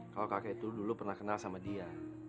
kalau kakek itu dulu pernah kenal sama dia